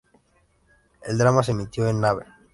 El drama se emitió en Naver.